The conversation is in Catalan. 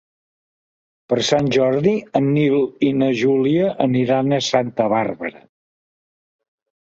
Per Sant Jordi en Nil i na Júlia aniran a Santa Bàrbara.